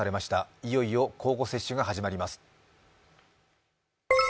いよいよ交互接種が始まります。